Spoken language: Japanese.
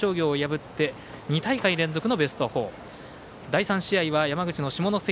香川、高松商業を破って２大会連続のベスト４。